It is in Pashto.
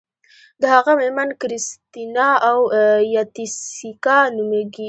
د هغه میرمن کریستینا اویتیسیکا نومیږي.